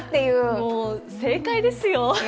もう正解ですよ。